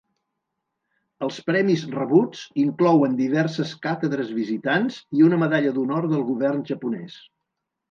Els premis rebuts inclouen diverses càtedres visitants i una Medalla d'Honor del govern japonès.